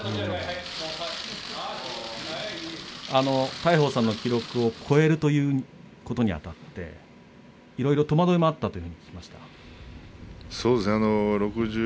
大鵬さんの記録を超えるということにあたっていろいろと戸惑いがあったというふうに聞きました。